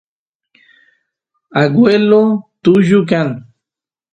agueloy tullu kan